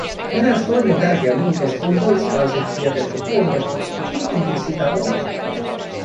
Eräs toinen tärkeä muutos on toistaiseksi jätetty huomiotta, ja kuitenkin sitä vaaditaan.